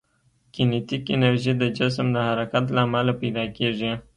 کینیتیک انرژي د جسم د حرکت له امله پیدا کېږي.